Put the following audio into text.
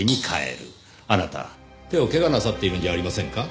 あなた手を怪我なさっているんじゃありませんか？